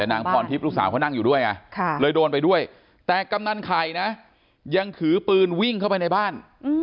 นางพรทิพย์ลูกสาวเขานั่งอยู่ด้วยไงเลยโดนไปด้วยแต่กำนันไข่นะยังถือปืนวิ่งเข้าไปในบ้าน